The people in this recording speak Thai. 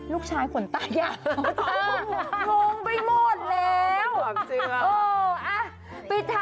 ลูกชายขนตาแย่ลูกชายโมงไปหมดแล้วจริงหรอ